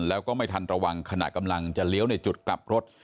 แล้วก็ไม่ทันระวังขณะกำลังจะเลี้ยวในจุดกลับรถ